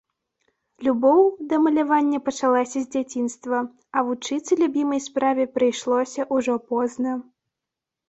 Любоў да малявання пачалася з дзяцінства, а вучыцца любімай справе прыйшлося ўжо позна.